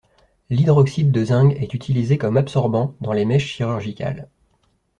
L'hydroxyde de zinc est utilisé comme absorbant dans les mèches chirurgicales.